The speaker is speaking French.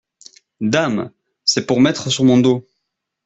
Dame ! c’est pour mettre sur mon dos.